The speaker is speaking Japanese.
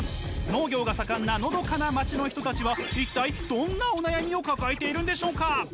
農業が盛んなのどかな街の人たちは一体どんなお悩みを抱えているんでしょうか？